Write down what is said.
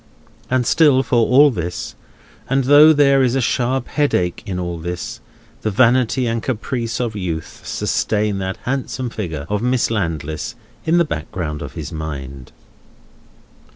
And still, for all this, and though there is a sharp heartache in all this, the vanity and caprice of youth sustain that handsome figure of Miss Landless in the background of his mind.